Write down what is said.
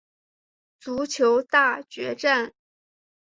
足球大决战！